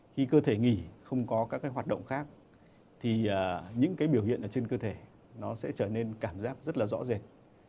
khi cơ thể nghỉ không có các hoạt động khác thì những biểu hiện trên cơ thể sẽ trở nên cảm giác rất rõ rệt